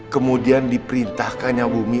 kemudian diperintahkannya bumi